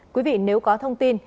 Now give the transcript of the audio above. quý vị nếu có thông tin